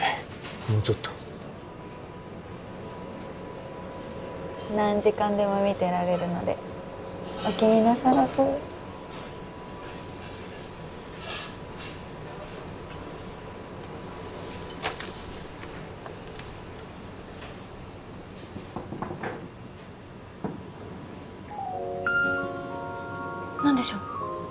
もうちょっと何時間でも見てられるのでお気になさらず何でしょう？